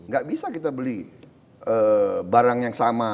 gak bisa kita beli barang yang sama